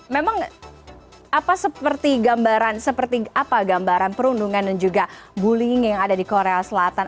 memang apa seperti gambaran perundungan dan juga bullying yang ada di korea selatan